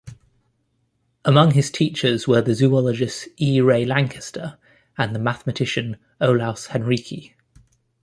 Among his teachers were the zoologist E. Ray Lankester and the mathematician Olaus Henrici.